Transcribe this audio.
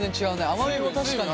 甘みも確かに。